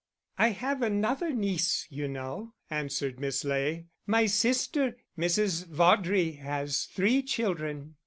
"I have another niece, you know," answered Miss Ley, "My sister, Mrs. Vaudrey, has three children."